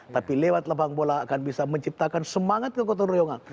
tapi lewat lapang bola akan bisa menciptakan semangat kegotong royongan